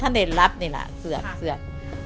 ถ้าในลักษณ์นี่ล่ะเสือกเสือก